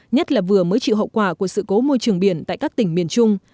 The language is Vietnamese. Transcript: nhất là vừa mới chịu hậu quả của sự cố môi trường biển tại các tỉnh miền trung